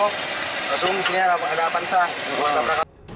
langsung di sini ada apaansah